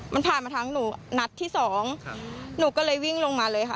มันผ่านมาทั้งหนูนัดที่สองหนูก็เลยวิ่งลงมาเลยค่ะ